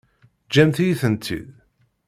Ǧǧemt-iyi-tent-id.